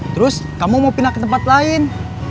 terus kamu mau pindah ke tempat lain